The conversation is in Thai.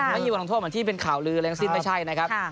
ไม่อยู่บนลงโทษเหมือนที่เป็นข่าวลืออะไรอย่างซิ่มไม่ใช่นะครับ